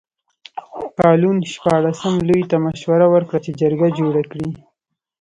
کالون شپاړسم لویي ته مشوره ورکړه چې جرګه جوړه کړي.